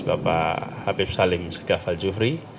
bapak habib salim segah faljufri